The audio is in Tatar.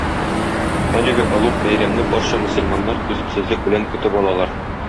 Әлеге олуг бәйрәмне барча мөселманнар түземсезлек белән көтеп алалар.